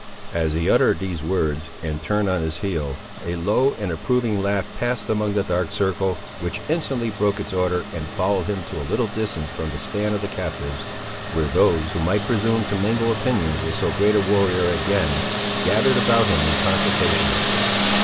As he uttered these words, and turned on his heel, a low and approving laugh passed around the dark circle, which instantly broke its order and followed him to a little distance from the stand of the captives, where those who might presume to mingle opinions with so great a warrior again gathered about him in consultation.